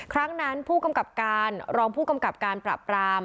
ครั้งนั้นผู้กำกับการรองผู้กำกับการปราบปราม